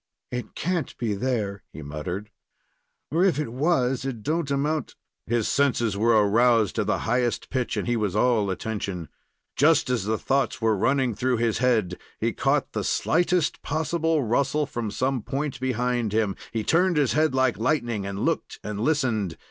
"It can't be there," he muttered; "or if it was, it do n't amount " His senses were aroused to the highest pitch, and he was all attention. Just as the thoughts were running through his head, he caught the slightest possible rustle from some point behind him. He turned his head like lightning, and looked and listened.